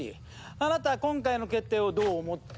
あなた今回の決定をどう思って？